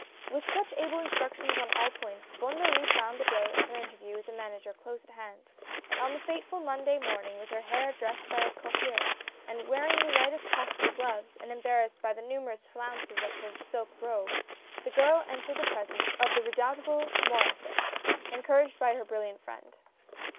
With such able instructions on all points, Bonne Marie found the day of her interview with the Manager close at hand; and on the fateful Monday morning, with her hair dressed by a coiffeur, and wearing the lightest possible gloves, and embarrassed by the numer ous flounces of her silk robe, the girl entered the presence of the redoubtable Maur^sset, encouraged by her brilliant friend.